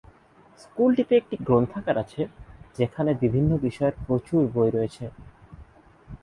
স্কুলটিতে একটি গ্রন্থাগার আছে যেখানে বিভিন্ন বিষয়ের প্রচুর বই রয়েছে।